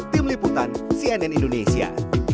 tim liputan cnn indonesia